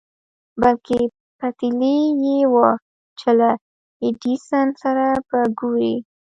بلکې پتېيلې يې وه چې له ايډېسن سره به ګوري.